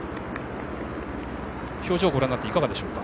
表情をご覧になっていかがでしょうか？